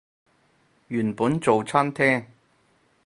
原本做餐廳